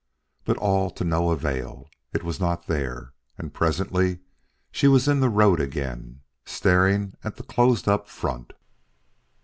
But all to no avail. It was not there, and presently she was in the road again staring at the closed up front.